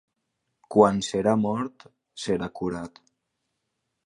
Quan serà mort, serà curat.